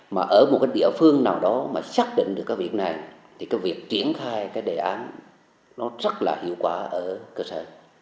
mà ở một cái địa phương nào đó mà xác định được cái việc này thì cái việc triển khai cái đề án nó rất là hiệu quả ở cơ sở